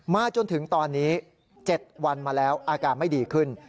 จนถึงตอนนี้๗วันมาแล้วอาการไม่ดีขึ้น